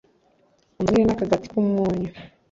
unzanire n’akagati k’umunyu